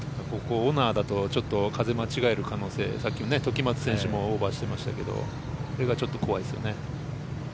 オナーだと風、間違える可能性さっきの時松選手もオーバーしてましたけどこれが怖いですよね。